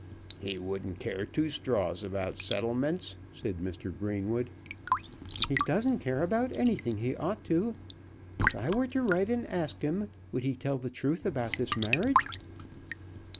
"He wouldn't care two straws about settlements," said Mr. Greenwood. "He doesn't care about anything he ought to. If I were to write and ask him, would he tell the truth about this marriage?"